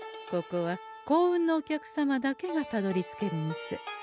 ここは幸運のお客様だけがたどりつける店。